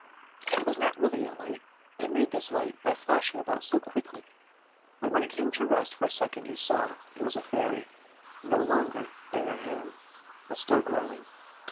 It was not really a light; it made this light by flashing about so quickly, but when it came to rest for a second you saw it was a fairy, no longer than your hand, but still growing.